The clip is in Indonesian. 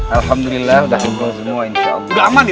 alhamdulillah udah kumpul semua insya allah